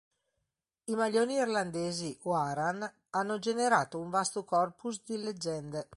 I maglioni irlandesi, o Aran, hanno generato un vasto corpus di leggende.